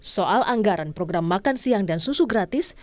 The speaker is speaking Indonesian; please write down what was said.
soal anggaran program makan siang dan susu gratis